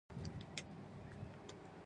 زه د چا غیبت نه کوم.